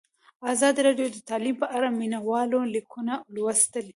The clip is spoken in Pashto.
ازادي راډیو د تعلیم په اړه د مینه والو لیکونه لوستي.